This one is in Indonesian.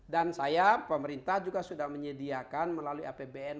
dan saya pemerintah juga sudah menyediakan melalui apbn